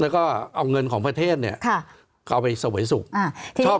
แล้วก็เอาเงินของประเทศเนี้ยค่ะเขาไปสบวยศุกร์อ่า